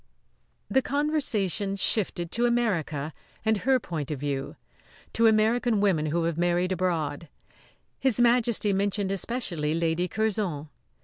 The conversation shifted to America and her point of view; to American women who have married abroad. His Majesty mentioned especially Lady Curzon.